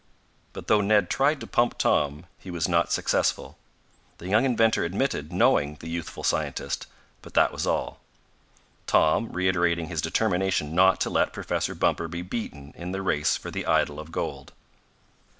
But though Ned tried to pump Tom, he was not successful. The young inventor admitted knowing the youthful scientist, but that was all, Tom reiterating his determination not to let Professor Bumper be beaten in the race for the idol of gold.